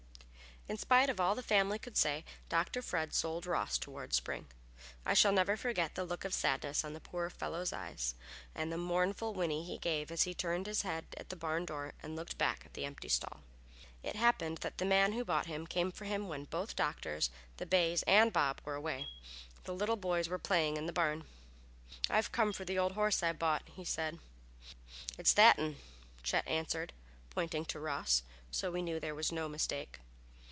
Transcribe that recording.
In spite of all the family could say Dr. Fred sold Ross toward spring. I shall never forget the look of sadness in the poor old fellow's eyes, and the mournful whinny he gave as he turned his head at the barn door and looked back at the empty stall. It happened that the man who bought him came for him when both doctors, the bays and Bob were away. The little boys were playing in the barn. "I've come for the old horse I bought," he said. "It's that 'un," Chet answered, pointing to Ross, so we knew there was no mistake.